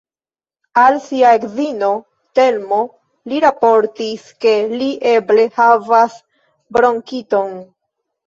Al sia edzino, Telmo, li raportis ke li eble havas bronkiton.